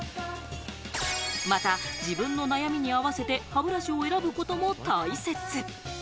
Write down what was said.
また自分の悩みに合わせて歯ブラシを選ぶことも大切。